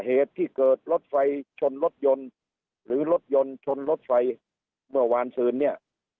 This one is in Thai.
เหตุที่เกิดรถไฟชนรถยนต์หรือรถยนต์ชนรถไฟเมื่อวานซืนเนี่ย